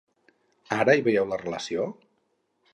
Ara hi veieu la relació?